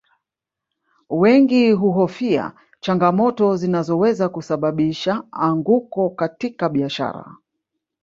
Wengi huhofia changamoto zinazoweza kusababisha anguko katika biashara